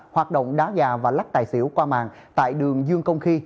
hoạt động đá gà và lắc tài xỉu qua mạng tại đường dương công khi